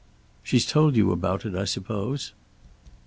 "She's told you about it, I suppose?"